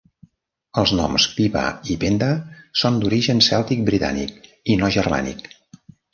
Els noms Pybba i Penda són d'origen cèltic britànic i no germànic.